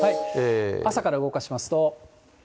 朝から動かしますと。